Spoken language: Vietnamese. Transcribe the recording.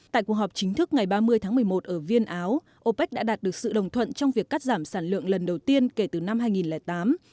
tại cuộc họp chính thức ngày ba mươi tháng một mươi một ở viên áo opec đã đạt được sự đồng thuận trong việc cắt giảm sản lượng lần đầu tiên kể từ năm hai nghìn tám